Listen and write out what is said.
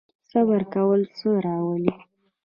صبر کول څه راوړي؟